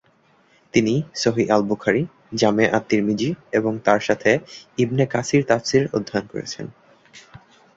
তিনি সহিহ আল-বুখারী, জামে আত-তিরমিযী এবং তাঁর সাথে ইবনে কাসির তাফসির অধ্যয়ন করেছেন।